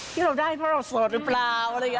เดี๋ยวเราได้เพราะเราโสดรึเปล่า